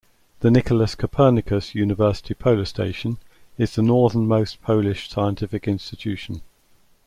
The Nicolaus Copernicus University Polar Station is the northernmost Polish scientific institution.